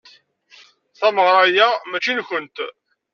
Tameɣra-a mačči nkent.